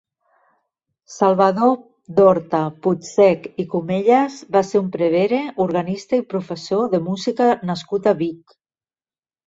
Salvador d'Horta Puigsech i Comelles va ser un prevere, organista i professor de música nascut a Vic.